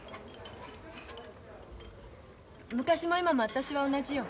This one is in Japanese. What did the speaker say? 昔も今も私は同じよ。